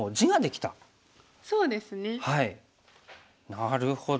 なるほど。